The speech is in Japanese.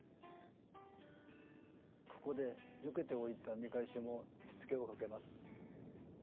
ここでよけておいた見返しもしつけをかけます。